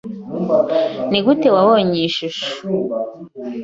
Nigute wabonye iyi shusho?